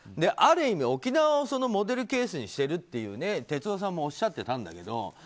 ある意味、沖縄をモデルケースにしてると哲夫さんもおっしゃってたんだけど。